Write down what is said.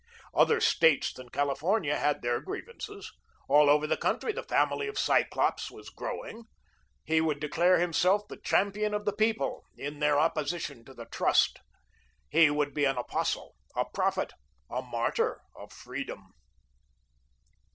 Other States than California had their grievances. All over the country the family of cyclops was growing. He would declare himself the champion of the People in their opposition to the Trust. He would be an apostle, a prophet, a martyr of Freedom.